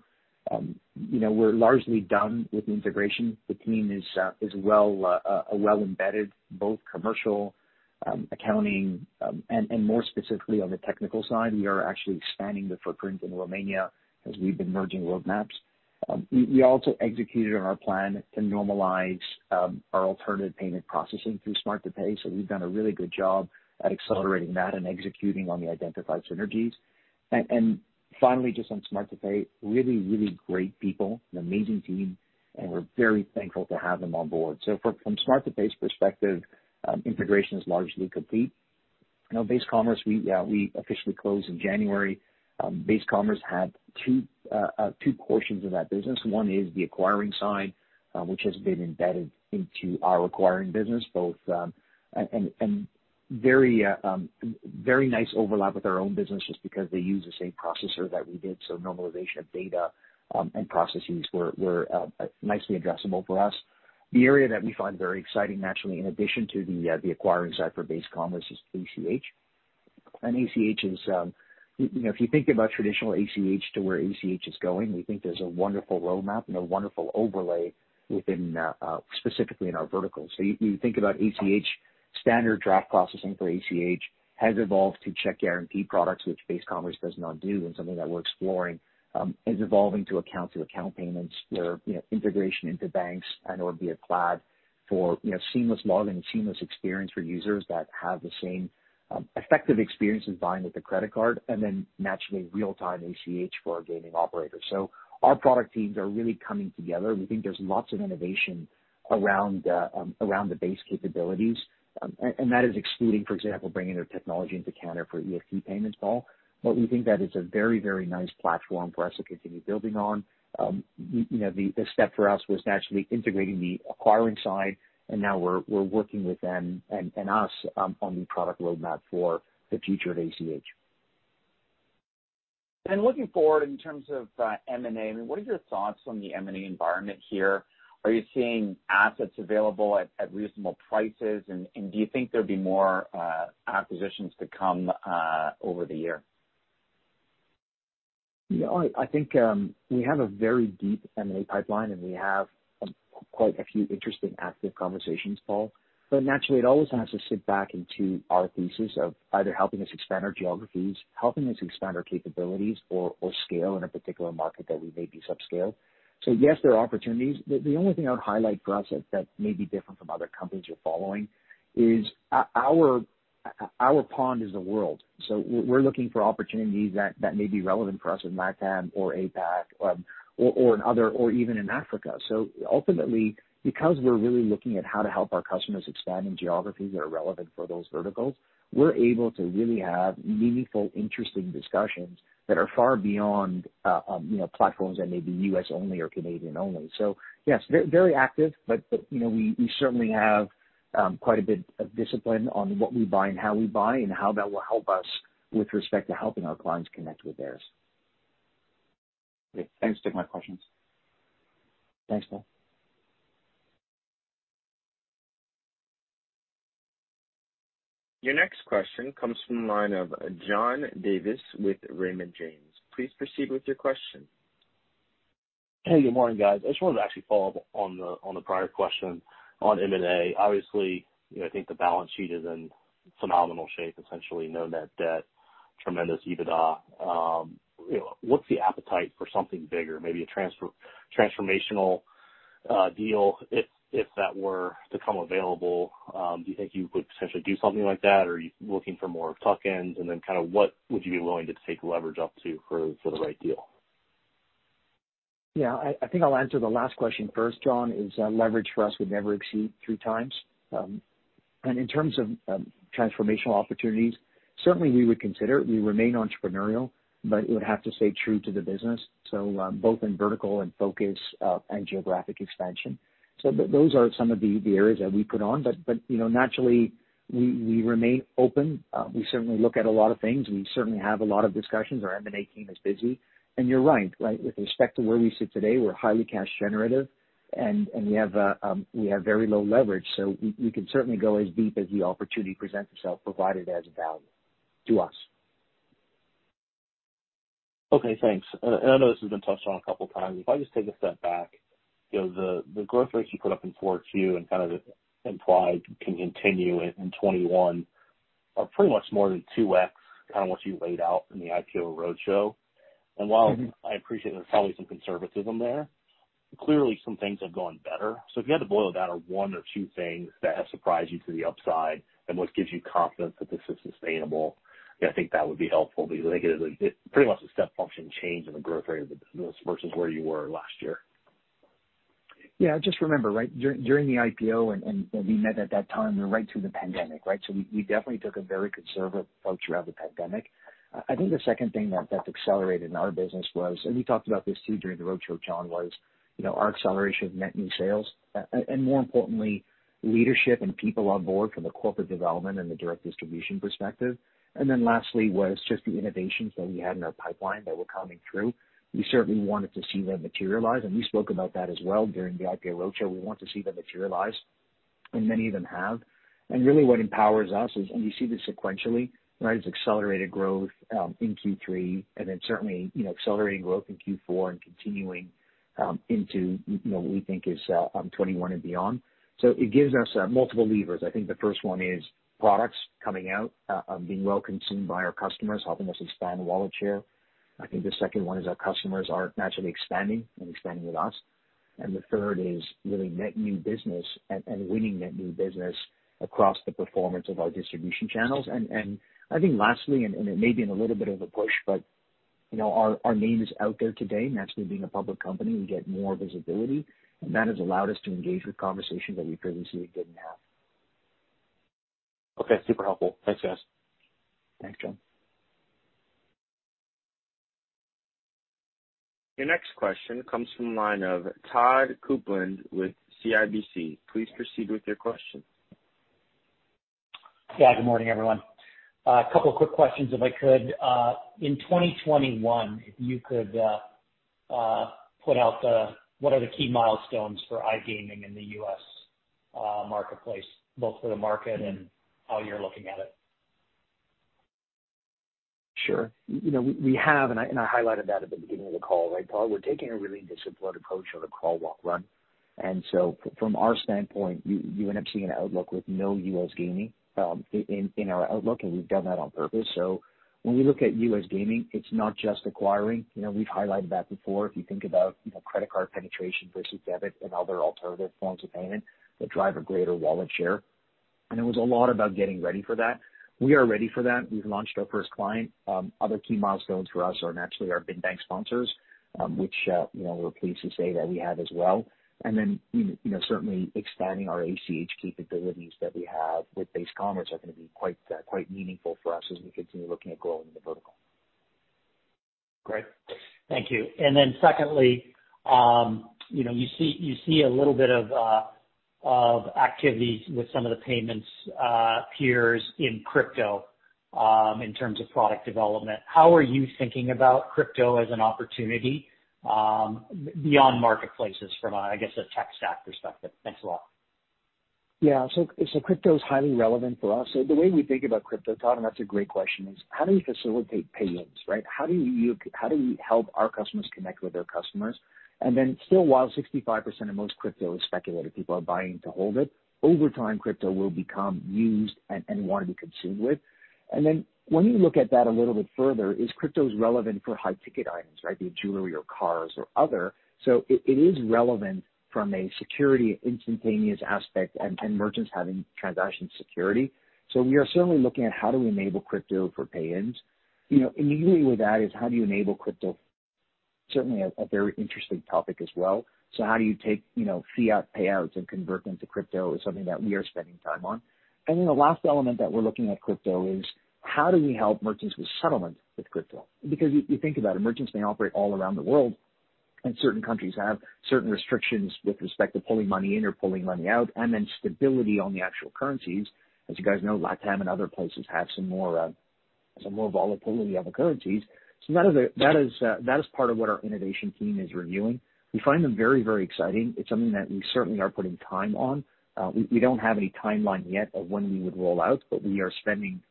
You know, we're largely done with the integration. The team is well embedded, both commercial, accounting, and more specifically, on the technical side, we are actually expanding the footprint in Romania as we've been merging roadmaps. We also executed on our plan to normalize our alternative payment processing through Smart2Pay. So we've done a really good job at accelerating that and executing on the identified synergies. And finally, just on Smart2Pay, really great people, an amazing team, and we're very thankful to have them on board. So from Smart2Pay's perspective, integration is largely complete. Now, Base Commerce, we officially closed in January. Base Commerce had two portions of that business. One is the acquiring side, which has been embedded into our acquiring business, and very nice overlap with our own business just because they use the same processor that we did, so normalization of data, and processes were nicely addressable for us. The area that we find very exciting, naturally, in addition to the acquiring side for Base Commerce is ACH. And ACH is, you know, if you think about traditional ACH to where ACH is going, we think there's a wonderful roadmap and a wonderful overlay within, specifically in our verticals. So you think about ACH, standard draft processing for ACH has evolved to check guarantee products, which Base Commerce does not do, and something that we're exploring is evolving to account-to-account payments or, you know, integration into banks and/or via cloud for, you know, seamless login and seamless experience for users that have the same effective experience in buying with a credit card, and then naturally, real-time ACH for our gaming operators. So our product teams are really coming together. We think there's lots of innovation around the base capabilities. And that is excluding, for example, bringing their technology into Canada for EFT payments, Paul. But we think that is a very, very nice platform for us to continue building on. You know, the step for us was naturally integrating the acquiring side, and now we're working with them and us on the product roadmap for the future of ACH. Looking forward in terms of M&A, I mean, what are your thoughts on the M&A environment here? Are you seeing assets available at reasonable prices? And do you think there'd be more acquisitions to come over the year? Yeah, I think we have a very deep M&A pipeline, and we have quite a few interesting active conversations, Paul. But naturally, it always has to sit back into our thesis of either helping us expand our geographies, helping us expand our capabilities, or scale in a particular market that we may be subscale. So yes, there are opportunities. The only thing I would highlight for us that may be different from other companies you're following is our pond is the world. So we're looking for opportunities that may be relevant for us in LATAM or APAC, or in other, or even in Africa. So ultimately, because we're really looking at how to help our customers expand in geographies that are relevant for those verticals, we're able to really have meaningful, interesting discussions that are far beyond, you know, platforms that may be U.S. only or Canadian only. So yes, very, very active, but, you know, we certainly have quite a bit of discipline on what we buy and how we buy, and how that will help us with respect to helping our clients connect with theirs. Great. Thanks for taking my questions. Thanks, Paul. Your next question comes from the line of John Davis with Raymond James. Please proceed with your question. Hey, good morning, guys. I just wanted to actually follow up on the prior question on M&A. Obviously, you know, I think the balance sheet is in phenomenal shape, essentially no net debt, tremendous EBITDA. You know, what's the appetite for something bigger, maybe a transformational deal, if that were to come available, do you think you would potentially do something like that? Or are you looking for more tuck-ins? And then kind of what would you be willing to take leverage up to for the right deal? Yeah, I think I'll answer the last question first, John, is that leverage for us would never exceed 3x. And in terms of transformational opportunities, certainly we would consider it. We remain entrepreneurial, but it would have to stay true to the business. So, both in vertical and focus, and geographic expansion. So those are some of the, the areas that we put on. But, you know, naturally, we remain open. We certainly look at a lot of things. We certainly have a lot of discussions. Our M&A team is busy. And you're right, right? With respect to where we sit today, we're highly cash generative, and we have very low leverage, so we can certainly go as deep as the opportunity presents itself, provided it adds value to us. Okay, thanks. And, and I know this has been touched on a couple times. If I just take a step back, you know, the growth rates you put up in Q4 and kind of implied can continue in 2021 are pretty much more than 2x, kind of what you laid out in the IPO roadshow. While I appreciate there's probably some conservatism there, clearly some things have gone better. If you had to boil down to one or two things that have surprised you to the upside and what gives you confidence that this is sustainable, I think that would be helpful. Because I think it is pretty much a step function change in the growth rate of the business versus where you were last year. Yeah, just remember, right, during the IPO and, and we met at that time and right through the pandemic, right? So we, we definitely took a very conservative approach throughout the pandemic. I think the second thing that accelerated in our business was, and we talked about this too, during the roadshow, John, was, you know, our acceleration of net new sales. And more importantly, leadership and people on board from the corporate development and the direct distribution perspective. And then lastly, was just the innovations that we had in our pipeline that were coming through. We certainly wanted to see them materialize, and we spoke about that as well during the IPO roadshow. We want to see them materialize, and many of them have. Really what empowers us is, and you see this sequentially, right, is accelerated growth in Q3, and then certainly, you know, accelerating growth in Q4 and continuing into you know, what we think is 2021 and beyond. So it gives us multiple levers. I think the first one is products coming out being well consumed by our customers, helping us expand wallet share. I think the second one is our customers are naturally expanding and expanding with us. And the third is really net new business and winning net new business across the performance of our distribution channels. And I think lastly, and it may be in a little bit of a push, but you know, our name is out there today. Naturally, being a public company, we get more visibility, and that has allowed us to engage with conversations that we previously didn't have. Okay, super helpful. Thanks, guys. Thanks, John. Your next question comes from the line of Todd Coupland with CIBC. Please proceed with your question. Yeah, good morning, everyone. A couple quick questions, if I could. In 2021, if you could, put out the... What are the key milestones for iGaming in the U.S. marketplace, both for the market and how you're looking at it? Sure. You know, we have, and I highlighted that at the beginning of the call, right, Todd? We're taking a really disciplined approach on a crawl, walk, run. And so from our standpoint, you end up seeing an outlook with no U.S. gaming in our outlook, and we've done that on purpose. So when we look at U.S. gaming, it's not just acquiring. You know, we've highlighted that before. If you think about, you know, credit card penetration versus debit and other alternative forms of payment that drive a greater wallet share, and it was a lot about getting ready for that. We are ready for that. We've launched our first client. Other key milestones for us are naturally our big bank sponsors, which, you know, we're pleased to say that we have as well. And then, you know, certainly expanding our ACH capabilities that we have with Base Commerce are gonna be quite, quite meaningful for us as we continue looking at growing the vertical. Great. Thank you. And then secondly, you know, you see a little bit of activity with some of the payments peers in crypto, in terms of product development. How are you thinking about crypto as an opportunity, beyond marketplaces from a, I guess, a tech stack perspective? Thanks a lot. Yeah, so crypto is highly relevant for us. So the way we think about crypto, Todd, and that's a great question, is how do we facilitate pay-ins, right? How do we help our customers connect with their customers? And then still, while 65% of most crypto is speculative, people are buying to hold it, over time, crypto will become used and want to be consumed with. And then when you look at that a little bit further, is cryptos relevant for high-ticket items, right? Be it jewelry or cars or other. So it is relevant from a security instantaneous aspect and merchants having transaction security. So we are certainly looking at how do we enable crypto for pay-ins. You know, immediately with that is how do you enable crypto? Certainly a very interesting topic as well. So how do you take, you know, fiat payouts and convert them to crypto is something that we are spending time on. And then the last element that we're looking at crypto is, how do we help merchants with settlement with crypto? Because if you think about it, merchants may operate all around the world... and certain countries have certain restrictions with respect to pulling money in or pulling money out, and then stability on the actual currencies. As you guys know, LATAM and other places have some more volatility on the currencies. So that is part of what our innovation team is reviewing. We find them very, very exciting. It's something that we certainly are putting time on. We don't have any timeline yet of when we would roll out, but we are spending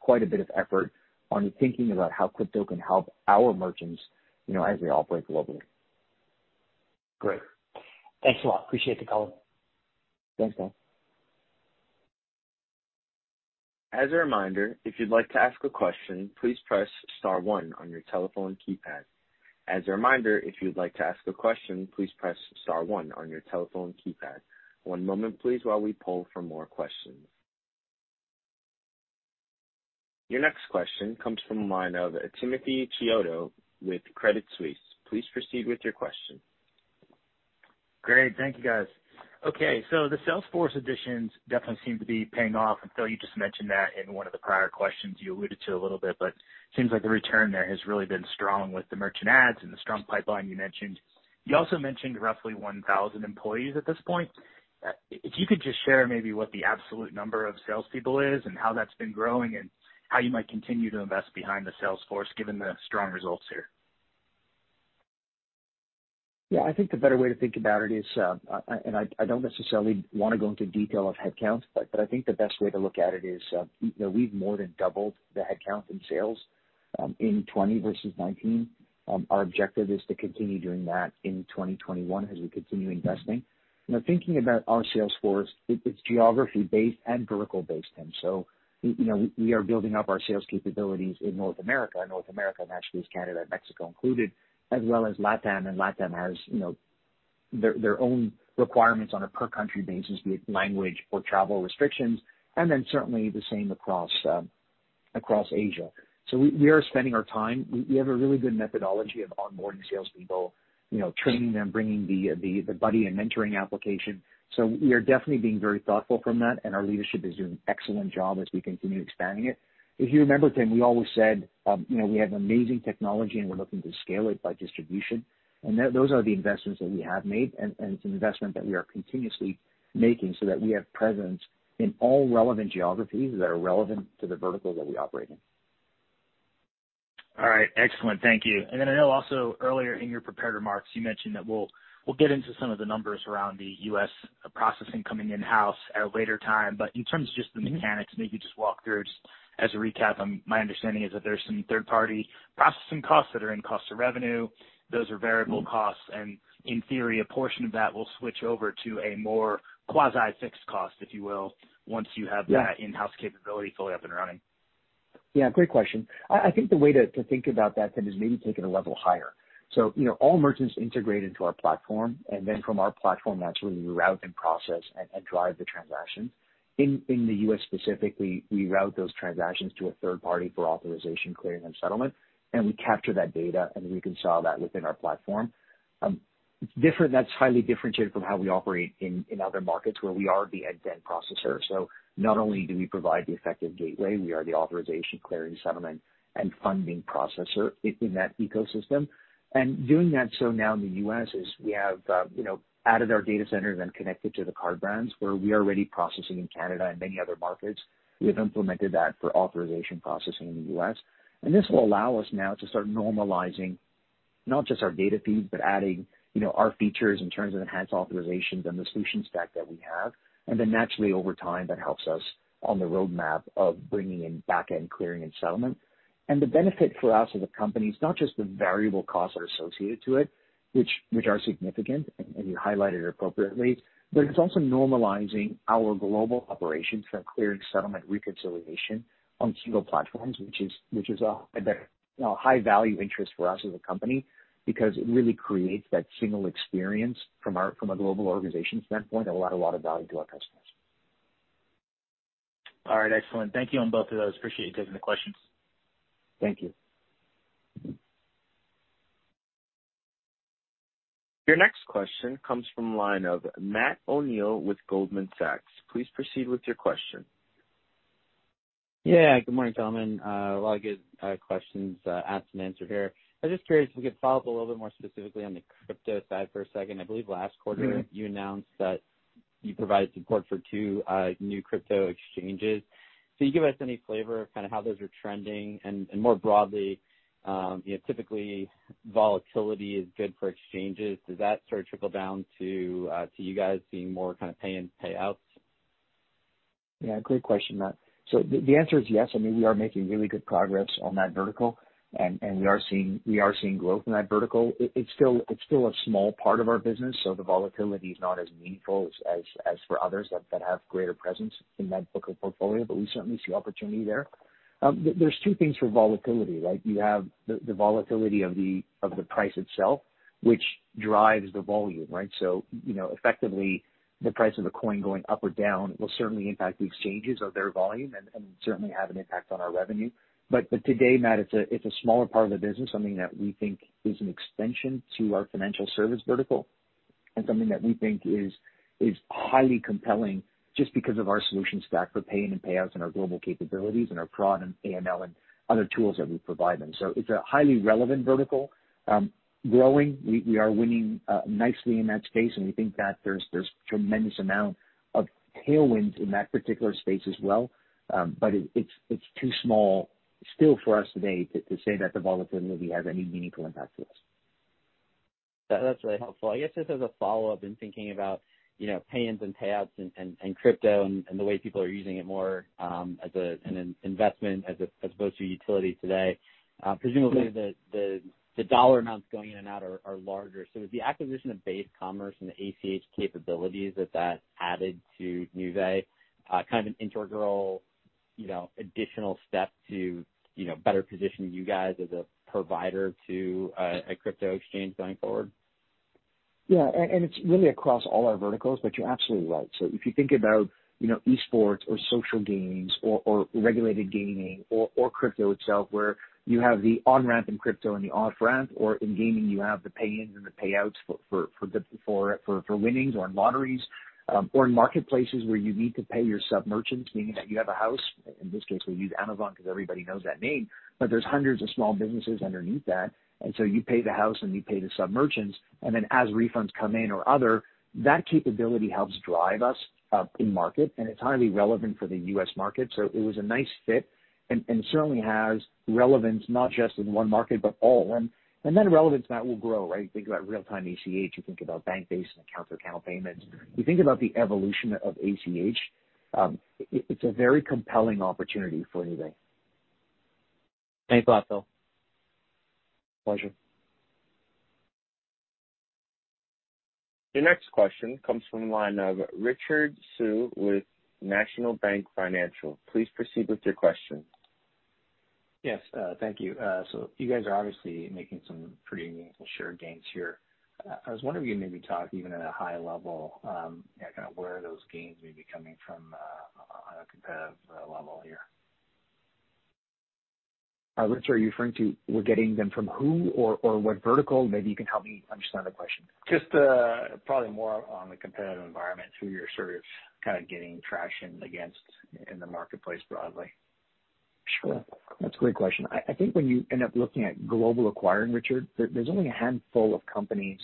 quite a bit of effort on thinking about how crypto can help our merchants, you know, as we operate globally. Great. Thanks a lot. Appreciate the call. Thanks, Todd. As a reminder, if you'd like to ask a question, please press star one on your telephone keypad. As a reminder, if you'd like to ask a question, please press star one on your telephone keypad. One moment please, while we poll for more questions. Your next question comes from the line of Timothy Chiodo with Credit Suisse. Please proceed with your question. Great, thank you, guys. Okay, so the sales force additions definitely seem to be paying off, and Phil, you just mentioned that in one of the prior questions you alluded to a little bit, but seems like the return there has really been strong with the merchant ads and the strong pipeline you mentioned. You also mentioned roughly 1,000 employees at this point. If you could just share maybe what the absolute number of salespeople is and how that's been growing, and how you might continue to invest behind the sales force, given the strong results here. Yeah, I think the better way to think about it is, and I don't necessarily want to go into detail of headcounts, but I think the best way to look at it is, you know, we've more than doubled the headcount in sales in 2020 versus 2019. Our objective is to continue doing that in 2021 as we continue investing. You know, thinking about our sales force, it's geography-based and vertical-based, Tim. So, you know, we are building up our sales capabilities in North America. North America, naturally, is Canada and Mexico included, as well as LATAM, and LATAM has, you know, their own requirements on a per country basis, be it language or travel restrictions, and then certainly the same across Asia. So we are spending our time. We have a really good methodology of onboarding salespeople, you know, training them, bringing the buddy and mentoring application. So we are definitely being very thoughtful from that, and our leadership is doing an excellent job as we continue expanding it. If you remember, Tim, we always said, you know, we have amazing technology and we're looking to scale it by distribution, and those are the investments that we have made, and it's an investment that we are continuously making so that we have presence in all relevant geographies that are relevant to the vertical that we operate in. All right. Excellent. Thank you. And then I know also earlier in your prepared remarks, you mentioned that we'll, we'll get into some of the numbers around the U.S. processing coming in-house at a later time. But in terms of just the mechanics, maybe just walk through just as a recap, my understanding is that there's some third-party processing costs that are in cost of revenue. Those are variable costs, and in theory, a portion of that will switch over to a more quasi-fixed cost, if you will, once you have that in-house capability fully up and running. Yeah, great question. I, I think the way to, to think about that, Tim, is maybe take it a level higher. So, you know, all merchants integrate into our platform, and then from our platform, naturally, we route and process and, and drive the transactions. In, in the U.S. specifically, we route those transactions to a third party for authorization, clearing, and settlement, and we capture that data, and we reconcile that within our platform. It's different, that's highly differentiated from how we operate in, in other markets where we are the end-to-end processor. So not only do we provide the effective gateway, we are the authorization, clearing, settlement, and funding processor in, in that ecosystem. Doing that, so now in the U.S. is we have, you know, added our data centers and connected to the card brands where we are already processing in Canada and many other markets. We have implemented that for authorization processing in the U.S., and this will allow us now to start normalizing not just our data feed, but adding, you know, our features in terms of enhanced authorizations and the solution stack that we have. Then naturally, over time, that helps us on the roadmap of bringing in back-end clearing and settlement. The benefit for us as a company is not just the variable costs that are associated to it, which are significant, and you highlighted it appropriately, but it's also normalizing our global operations for clearing, settlement, reconciliation on single platforms, which is a high-value interest for us as a company, because it really creates that single experience from a global organization standpoint that will add a lot of value to our customers. All right. Excellent. Thank you on both of those. Appreciate you taking the questions. Thank you. Your next question comes from the line of Matt O'Neill with Goldman Sachs. Please proceed with your question. Yeah, good morning, gentlemen. A lot of good questions asked and answered here. I'm just curious if we could follow up a little bit more specifically on the crypto side for a second. I believe last quarter you announced that you provided support for two new crypto exchanges. Can you give us any flavor of kind of how those are trending? And, and more broadly, you know, typically volatility is good for exchanges. Does that sort of trickle down to, to you guys seeing more kind of pay-in, payouts? Yeah, great question, Matt. So the answer is yes. I mean, we are making really good progress on that vertical, and we are seeing growth in that vertical. It's still a small part of our business, so the volatility is not as meaningful as for others that have greater presence in that book or portfolio, but we certainly see opportunity there. There's two things for volatility, right? You have the volatility of the price itself, which drives the volume, right? So, you know, effectively, the price of a coin going up or down will certainly impact the exchanges or their volume and certainly have an impact on our revenue. But today, Matt, it's a smaller part of the business, something that we think is an extension to our financial service vertical... and something that we think is highly compelling just because of our solution stack for pay-in and payouts and our global capabilities and our fraud and AML and other tools that we provide them. So it's a highly relevant vertical. Growing, we are winning nicely in that space, and we think that there's tremendous amount of tailwinds in that particular space as well. But it's too small still for us today to say that the volatility has any meaningful impact to us. That, that's really helpful. I guess just as a follow-up, in thinking about, you know, pay-ins and payouts and, and, and crypto and, and the way people are using it more, as a, an investment, as opposed to utility today, presumably the dollar amounts going in and out are larger. So with the acquisition of Base Commerce and the ACH capabilities that added to Nuvei, kind of an integral, you know, additional step to, you know, better position you guys as a provider to a crypto exchange going forward? Yeah, and it's really across all our verticals, but you're absolutely right. So if you think about, you know, esports or social gaming or regulated gaming or crypto itself, where you have the on-ramp in crypto and the off-ramp, or in gaming, you have the pay-ins and the payouts for the winnings or in lotteries, or in marketplaces where you need to pay your sub-merchants, meaning that you have a house, in this case, we use Amazon because everybody knows that name, but there's hundreds of small businesses underneath that. And so you pay the house and you pay the sub-merchants, and then as refunds come in or other, that capability helps drive us in market, and it's highly relevant for the U.S. market. So it was a nice fit and certainly has relevance, not just in one market, but all. And then relevance that will grow, right? Think about real-time ACH, you think about bank-based and account-to-account payments. You think about the evolution of ACH, it's a very compelling opportunity for Nuvei. Thanks a lot, Phil. Pleasure. The next question comes from the line of Richard Tse with National Bank Financial. Please proceed with your question. Yes, thank you. So you guys are obviously making some pretty meaningful share gains here. I was wondering if you maybe talk even at a high level, you know, kind of where those gains may be coming from, on a competitive, level here. Richard, are you referring to we're getting them from who or what vertical? Maybe you can help me understand the question. Just, probably more on the competitive environment, who you're sort of kind of getting traction against in the marketplace broadly. Sure. That's a great question. I, I think when you end up looking at global acquiring, Richard, there, there's only a handful of companies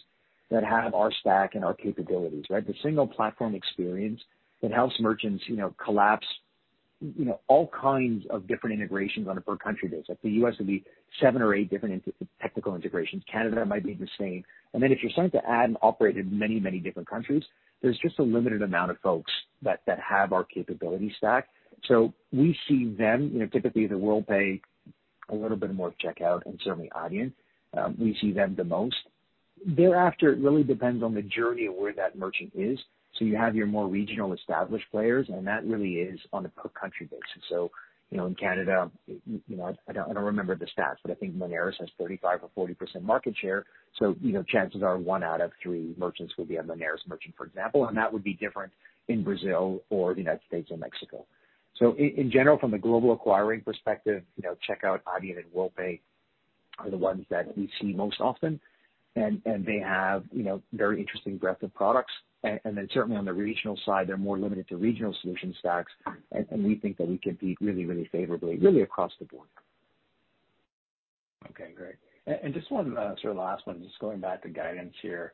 that have our stack and our capabilities, right? The single platform experience that helps merchants, you know, collapse, you know, all kinds of different integrations on a per country basis. Like, the U.S. would be seven or eight different technical integrations. Canada might be the same. And then if you're starting to add and operate in many, many different countries, there's just a limited amount of folks that, that have our capability stack. So we see them, you know, typically the Worldpay, a little bit more Checkout and certainly Adyen, we see them the most. Thereafter, it really depends on the journey of where that merchant is. So you have your more regional established players, and that really is on a per country basis. So, you know, in Canada, you know, I don't, I don't remember the stats, but I think Moneris has 35% or 40% market share. So, you know, chances are one out of three merchants will be a Moneris merchant, for example, and that would be different in Brazil or the United States or Mexico. So in general, from a global acquiring perspective, you know, Checkout, Adyen and Worldpay are the ones that we see most often, and, and they have, you know, very interesting breadth of products. And then certainly on the regional side, they're more limited to regional solution stacks, and, and we think that we compete really, really favorably, really across the board. Okay, great. And just one, sort of last one, just going back to guidance here.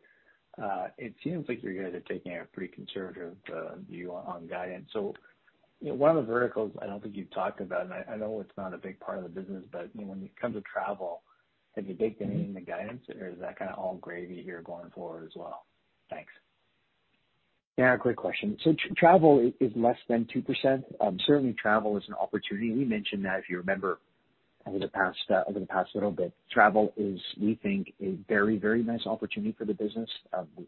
It seems like you guys are taking a pretty conservative view on guidance. So, you know, one of the verticals I don't think you've talked about, and I know it's not a big part of the business, but, you know, when it comes to travel, have you baked anything in the guidance, or is that kind of all gravy here going forward as well? Thanks. Yeah, great question. So travel is, is less than 2%. Certainly travel is an opportunity. We mentioned that, if you remember, over the past, over the past little bit, travel is, we think, a very, very nice opportunity for the business.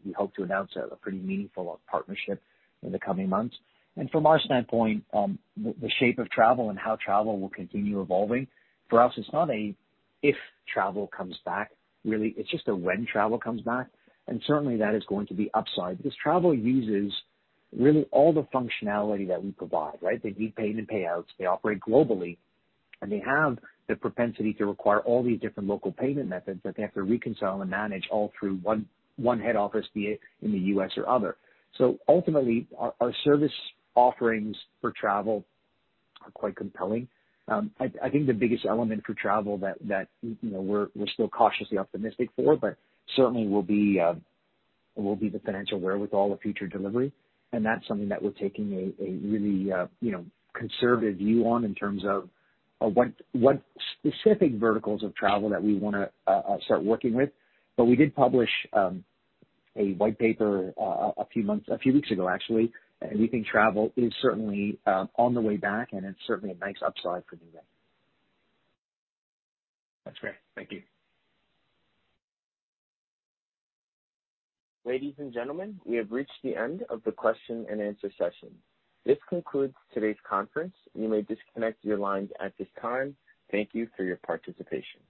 We hope to announce a, a pretty meaningful partnership in the coming months. And from our standpoint, the, the shape of travel and how travel will continue evolving, for us, it's not a if travel comes back, really, it's just a when travel comes back, and certainly that is going to be upside. Because travel uses really all the functionality that we provide, right? They need paying and payouts, they operate globally, and they have the propensity to require all these different local payment methods that they have to reconcile and manage all through one head office, be it in the U.S. or other. So ultimately, our service offerings for travel are quite compelling. I think the biggest element for travel that you know, we're still cautiously optimistic for, but certainly will be the financial wherewithal of future delivery. And that's something that we're taking a really you know, conservative view on in terms of what specific verticals of travel that we wanna start working with. We did publish a white paper a few weeks ago, actually, and we think travel is certainly on the way back, and it's certainly a nice upside for Nuvei. That's great. Thank you. Ladies and gentlemen, we have reached the end of the question-and-answer session. This concludes today's conference. You may disconnect your lines at this time. Thank you for your participation.